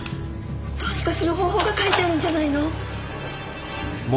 どうにかする方法が書いてあるんじゃないの？